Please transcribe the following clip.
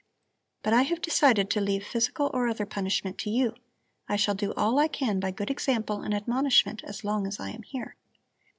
But I have decided to leave physical or other punishment to you. I shall do all I can by good example and admonishment as long as I am here.